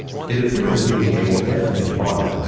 "It appeared to be a definite body."